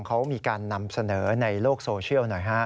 เขามีการนำเสนอในโลกโซเชียลหน่อยฮะ